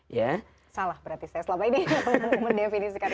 salah berarti saya whatsapp ini